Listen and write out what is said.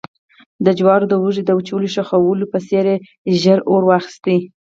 د جوارو د وږي د وچ شخولي په څېر يې ژر اور واخیست